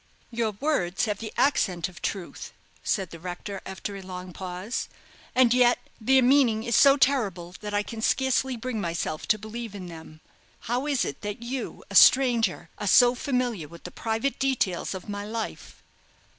"Your words have the accent of truth," said the rector, after a long pause; "and yet their meaning is so terrible that I can scarcely bring myself to believe in them. How is it that you, a stranger, are so familiar with the private details of my life?"